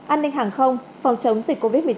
an ninh hàng không phòng chống dịch covid một mươi chín